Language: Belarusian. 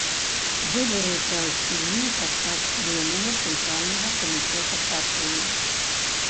Выбары прайшлі падчас пленуму цэнтральнага камітэта партыі.